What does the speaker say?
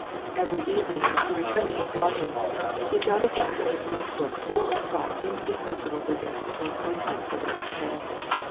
Every evening, when he returned to his lodgings, he jotted down in his note book four or five indispensable visits or ap pointments for the next day.